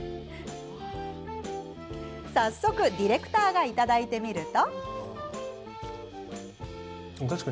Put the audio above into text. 早速ディレクターがいただいてみると。